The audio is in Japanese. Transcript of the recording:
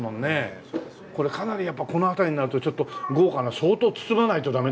これかなりやっぱこのあたりになるとちょっと豪華な相当包まないとダメでしょ？